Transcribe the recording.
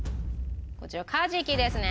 こちらカジキですね。